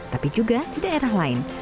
tapi juga di daerah lain